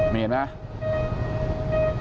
นี่เห็นไหม